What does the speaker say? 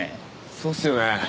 そうっすよね。